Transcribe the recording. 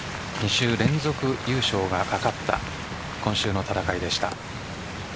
２週連続優勝が懸かった今週の戦いでした。